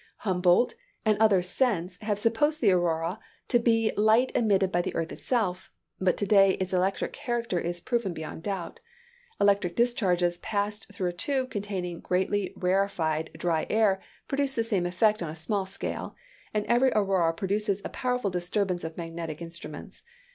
Humboldt, and others since, have supposed the aurora to be light emitted by the earth itself; but to day its electric character is proven beyond a doubt. Electric discharges passed through a tube containing greatly rarefied dry air produce the same effect on a small scale; and every aurora produces a powerful disturbance of magnetic instruments.